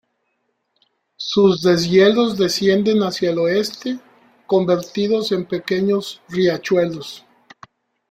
Sus deshielos descienden hacia el oeste convertidos en pequeños riachuelos.